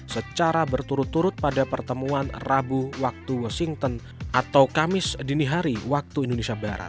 secara berturut turut pada pertemuan rabu waktu washington atau kamis dini hari waktu indonesia barat